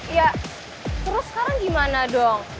ya terus sekarang gimana dong